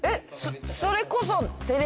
それこそ。